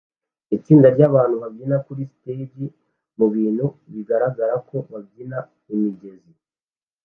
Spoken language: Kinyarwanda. Itsinda ryabantu babyina kuri stage mubintu bigaragara ko babyina imigezi